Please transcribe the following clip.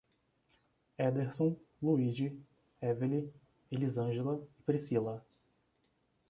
Éderson, Luigi, Eveli, Elizângela e Pricila